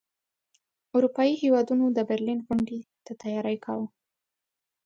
اروپايي هیوادونو د برلین غونډې ته تیاری کاوه.